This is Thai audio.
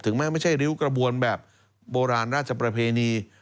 ไม่ใช่ริ้วกระบวนแบบโบราณราชประเพณี